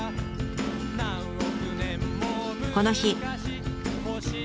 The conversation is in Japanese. この日。